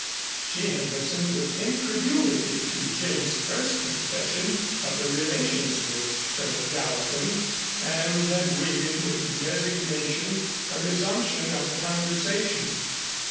She had listened with incredulity to Jane's first confession of her relations with Philip Gallatin and had waited with resignation a resumption of the conversation.